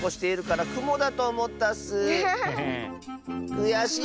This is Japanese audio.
くやしい！